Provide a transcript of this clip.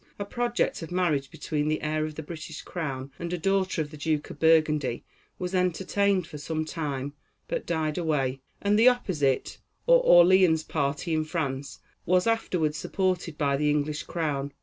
A project of marriage between the heir of the British crown and a daughter of the Duke of Burgundy, was entertained for some time, but died away, and the opposite, or Orleans party in France, was afterward supported by the English Crown.